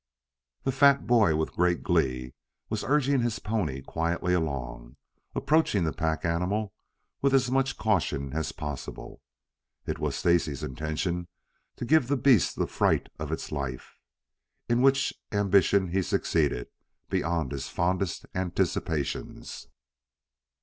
The fat boy, with great glee, was urging his pony quietly along, approaching the pack animal with as much caution as possible. It was Stacy's intention to give the beast the fright of its life, in which ambition he succeeded beyond his fondest anticipations.